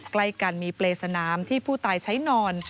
ใกล้กันมีเปรย์สนามที่ผู้ตายใช้นอน